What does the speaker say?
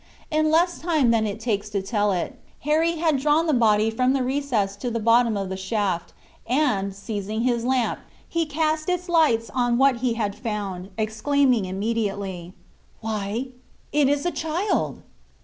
In less time than it takes to tell it, Harry had drawn the body from the recess to the bottom of the shaft, and, seizing his lamp, he cast its lights on what he had found, exclaiming immediately, "Why, it is a child!"